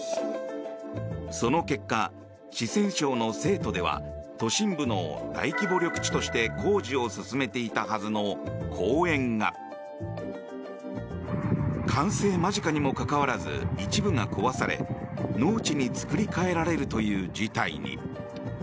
その結果、四川省の成都では都心部の大規模緑地として工事を進めていたはずの公園が完成間近にもかかわらず一部が壊され農地に作り替えられるという事態に。